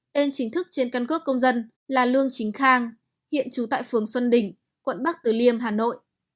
tên chính thức trên căn cước công dân là lương chính khang hiện trú tại phường xuân đỉnh quận bắc từ liêm hà nội